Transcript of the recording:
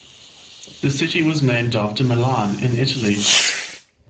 The city was named after Milan, in Italy.